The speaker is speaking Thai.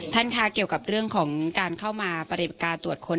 ท่านค่ะเกี่ยวกับเรื่องของการเข้ามาปฏิบัติการตรวจค้น